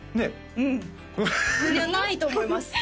うんいやないと思います